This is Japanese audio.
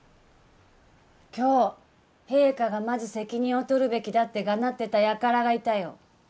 今日陛下がまず責任をとるべきだってがなってた輩がいたよ